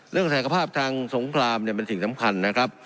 ศักภาพทางสงครามเนี่ยเป็นสิ่งสำคัญนะครับ